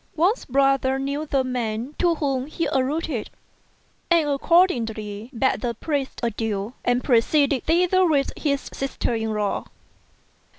Wang's brother knew the man to whom he alluded, and accord ingly bade the priest adieu, and proceeded thither with his sister in law.